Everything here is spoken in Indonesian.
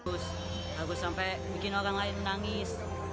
terus sampai bikin orang lain menangis